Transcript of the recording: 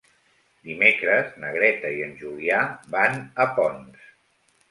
Dimecres na Greta i en Julià van a Ponts.